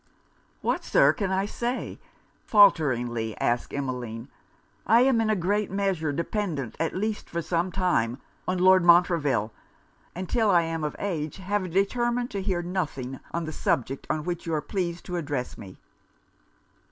'What, Sir, can I say?' faulteringly asked Emmeline. 'I am in a great measure dependant, at least for some time, on Lord Montreville; and till I am of age, have determined to hear nothing on the subject on which you are pleased to address me.'